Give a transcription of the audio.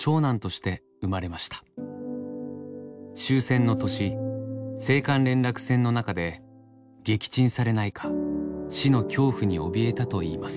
終戦の年青函連絡船の中で撃沈されないか死の恐怖におびえたと言います。